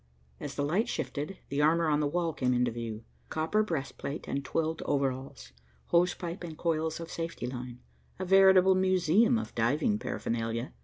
As the light shifted, the armor on the wall came into view; copper breastplate and twilled overalls, hosepipe and coils of safety line; a veritable museum of diving paraphernalia.